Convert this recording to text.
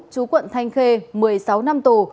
chú quận thanh khê một mươi sáu năm tù